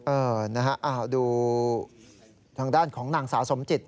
เออนะฮะดูทางด้านของนางสาวสมจิต